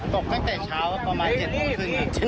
ตกตั้งแต่เช้าประมาณ๗โมงครึ่ง